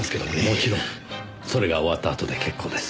もちろんそれが終わったあとで結構です。